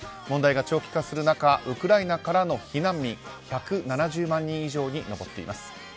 問題が長期化する中ウクライナからの避難民１７０万人以上に上っています。